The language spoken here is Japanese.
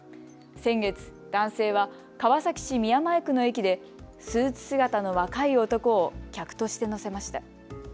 先月、男性は川崎市宮前区の駅でスーツ姿の若い男を客として乗せました。